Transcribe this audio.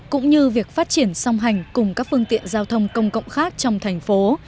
cũng như việc phát triển song hành cùng các phương tiện giao thông công cộng khác trong thành phố